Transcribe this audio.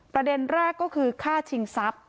ประเด็นแรกก็คือฆ่าชิงทรัพย์